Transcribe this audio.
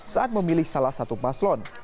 saat memilih salah satu paslon